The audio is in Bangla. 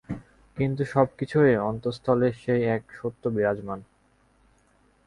কিন্তু সব কিছুরই অন্তস্তলে সেই এক সত্য বিরাজমান।